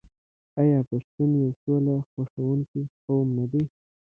آیا پښتون یو سوله خوښوونکی قوم نه دی؟